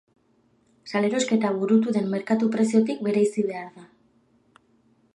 Salerosketa burutu den merkatu-preziotik bereizi behar da.